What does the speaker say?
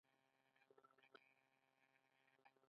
د علامه رشاد لیکنی هنر مهم دی ځکه چې لغتونه تعقیبوي.